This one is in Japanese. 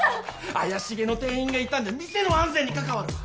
怪しげな店員がいたんじゃ店の安全に関わるわ！